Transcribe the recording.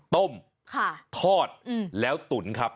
ต้มทอดแล้วตุ๋นครับ